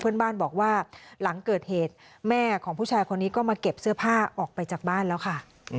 เพื่อนบ้านบอกว่าหลังเกิดเหตุแม่ของผู้ชายคนนี้ก็มาเก็บเสื้อผ้าออกไปจากบ้านแล้วค่ะ